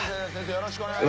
よろしくお願いします。